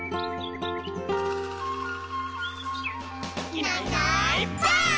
「いないいないばあっ！」